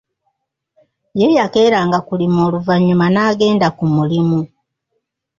Ye yakeeranga kulima oluvanyuma n'agenda kumulimu.